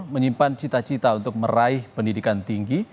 menyimpan cita cita untuk meraih pendidikan tinggi